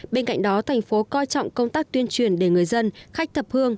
bên cạnh đó thành phố coi trọng công tác tuyên truyền để người dân khách thập hương